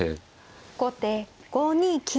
後手５二金。